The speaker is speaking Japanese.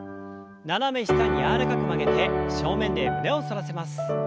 斜め下に柔らかく曲げて正面で胸を反らせます。